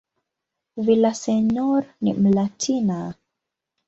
Villaseñor ni "Mlatina".